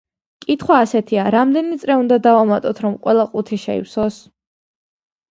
კითხვა ასეთია — რამდენი წრე უნდა დავამატოთ, რომ ყველა ყუთი შეივსოს?